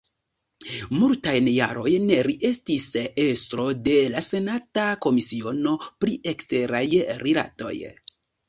Multajn jarojn li estis estro de la senata komisiono pri eksteraj rilatoj.